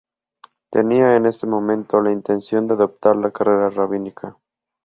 Tenía en este momento la intención de adoptar la carrera rabínica.